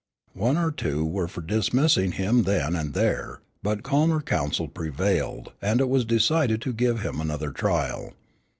One or two were for dismissing him then and there, but calmer counsel prevailed and it was decided to give him another trial.